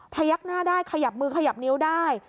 ยักหน้าได้ขยับมือขยับนิ้วได้